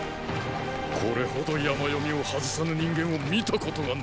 これほど“山読み”を外さぬ人間を見たことがない。